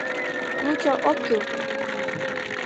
Лучо ок кӱл.